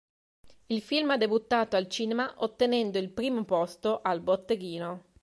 Il film ha debuttato al cinema ottenendo il primo posto al botteghino.